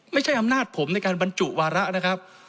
ไม่ใช่อำนาจผมในการบรรจุวาระนะครับ